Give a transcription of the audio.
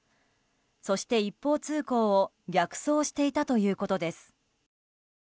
そして、一方通行を逆走していたということです。